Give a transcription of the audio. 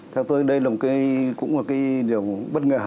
theo tôi đây là một cái điều bất ngờ